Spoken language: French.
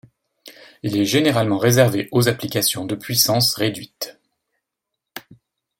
Il est généralement réservé aux applications de puissance réduite.